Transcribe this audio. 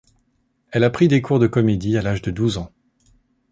Elle a pris des cours de comédie à l'âge de douze ans.